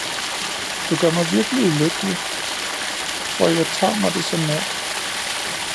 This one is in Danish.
du gør mig virkelig ulykkelig, for jeg tager mig det så nær!